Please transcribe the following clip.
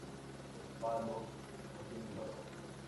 Los palos no tienen valor.